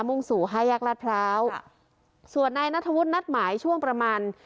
่งสู่ห้าแยกลาดพร้าวส่วนนายนัทธวุฒินัดหมายช่วงประมาณ